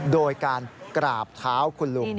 โดยการกราบเท้าคุณลุง